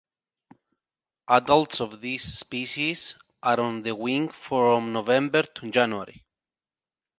Adults of this species are on the wing from November to January.